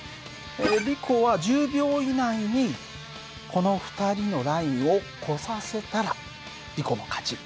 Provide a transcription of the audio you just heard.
リコは１０秒以内にこの２人のラインを越させたらリコの勝ち。